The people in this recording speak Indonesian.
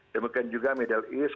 dan mungkin juga middle east